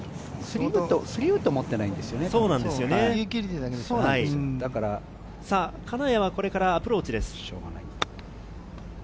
３ウッド持ってないんで金谷はこれからアプローチです。